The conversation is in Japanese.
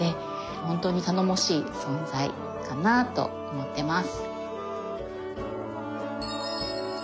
本当に頼もしい存在かなと思ってます。